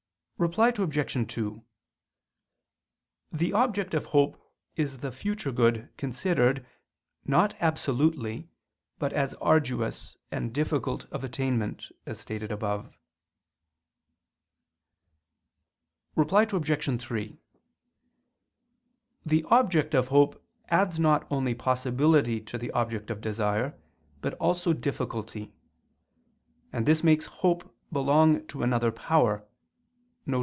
Reply Obj. 2: The object of hope is the future good considered, not absolutely, but as arduous and difficult of attainment, as stated above. Reply Obj. 3: The object of hope adds not only possibility to the object of desire, but also difficulty: and this makes hope belong to another power, viz.